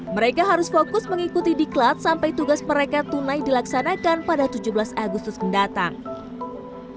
mereka harus fokus mengikuti diklat sampai tugas mereka tunai dilaksanakan pada tujuh belas agustus mendatang